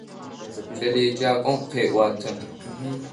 Кӏэлэеджакӏом къеӏуатэ.